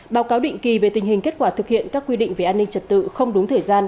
báo cáo định kỳ về tình hình kết quả thực hiện các quy định về an ninh trật tự không đúng thời gian